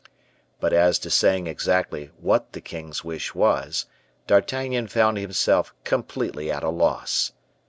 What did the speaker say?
But as to saying exactly what the king's wish was, D'Artagnan found himself completely at a loss.